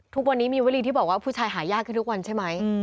ทุกวันนี้มีวลีที่บอกว่าผู้ชายหายากขึ้นทุกวันใช่ไหม